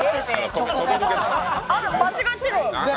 あっ、間違ってる。